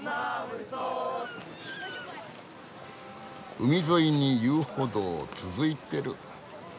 海沿いに遊歩道続いてる。